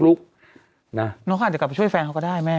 น้องเขาอาจจะกลับไปช่วยแฟนเขาก็ได้แม่